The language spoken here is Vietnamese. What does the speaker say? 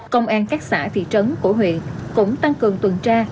công an các xã thị trấn của huyện cũng tăng cường tuần tra